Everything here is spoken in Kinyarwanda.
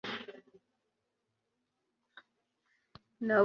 nabonye ndacyayisenga na alice mu birori hamwe